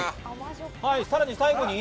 さらに最後に。